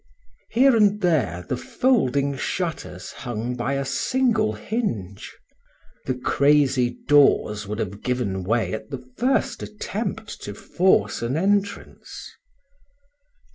Here and there the folding shutters hung by a single hinge. The crazy doors would have given way at the first attempt to force an entrance.